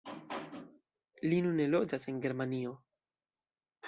Li nune loĝas en Germanio.